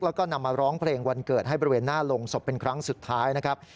แล้วก็นำมาร้องเพลงวันเกิดให้บริเวณหน้าโรงศพเป็นครั้งสุดท้ายนะครับ